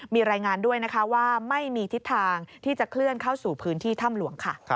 มีรายงานด้วยนะคะว่าไม่มีทิศทางที่จะเคลื่อนเข้าสู่พื้นที่ถ้ำหลวงค่ะ